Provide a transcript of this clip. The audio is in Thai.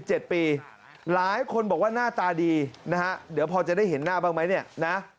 หลายคนบอกว่าหน้าตาดีนะฮะเดี๋ยวพอจะได้เห็นหน้าบ้างไหมเนี่ยนะ